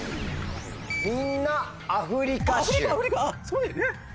みんなアフリカ州。